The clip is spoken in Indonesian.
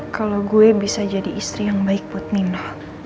kalau gue bisa jadi istri yang baik buat mino